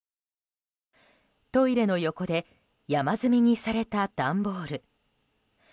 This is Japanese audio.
トイレの横で山積みにされた段ボール。